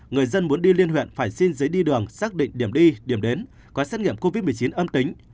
người dân muốn đi liên huyện phải xin giấy đi đường xác định điểm đi điểm đến có xét nghiệm covid một mươi chín âm tính